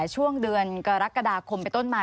ช่วงเดือนกรกฎาคมไปต้นมา